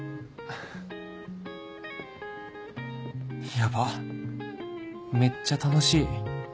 ヤバめっちゃ楽しい